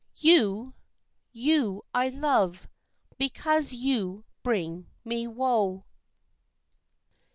You, you I love, because you bring me woe.